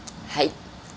はい。